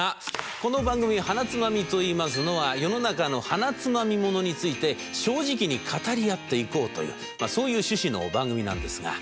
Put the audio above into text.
この番組『はなつまみ』といいますのは世の中のはなつまみ者について正直に語り合っていこうというまあそういう趣旨の番組なんですが。